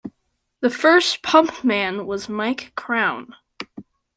The first pumpman was Mike Crown.